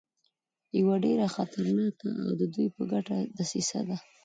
یوه ډېره خطرناکه او د دوی په ګټه دسیسه ده.